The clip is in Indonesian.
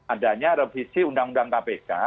adanya revisi undang undang kpk